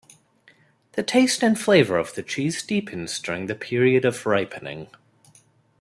The taste and flavor of the cheese deepens during the period of ripening.